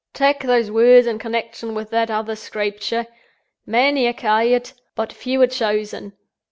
"Tak' those words in connection with that other Screepture: Many are ca'ad, but few are chosen.